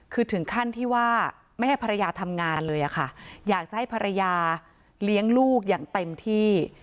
คือถึงขั้นที่ว่าไม่ให้ภรรยาทำงานเลยค่ะอยากจะให้ภรรยาเลี้ยงลูกอย่างเต็มที่